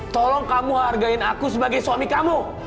tolong kamu hargai aku sebagai suami kamu